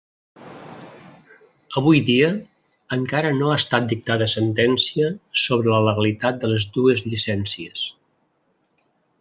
Avui dia, encara no ha estat dictada sentència sobre la legalitat de les dues llicències.